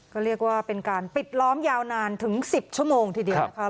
ก็เรียกว่าเป็นการปิดล้อมยาวนานถึง๑๐ชั่วโมงทีเดียวนะคะ